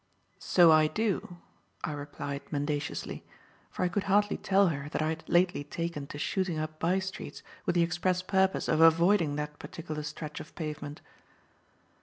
"So I do," I replied mendaciously; for I could hardly tell her that I had lately taken to shooting up bystreets with the express purpose of avoiding that particular stretch of pavement.